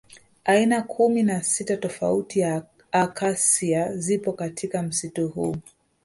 Aina kumi na sita tofauti ya Acacia zipo katika msitu huu